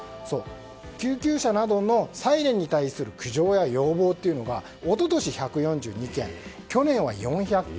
救急車などのサイレンに対する苦情や要望というのは一昨年１４２件、去年は４００件。